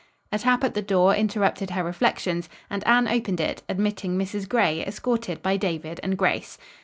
A tap at the door interrupted her reflections, and Anne opened it, admitting Mrs. Gray escorted by David and Grace.